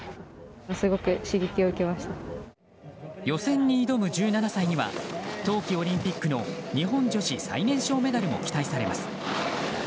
予選に挑む１７歳には冬季オリンピックの日本女子最年少メダルも期待されます。